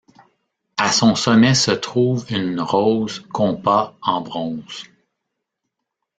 À son sommet se trouve une rose compas en bronze.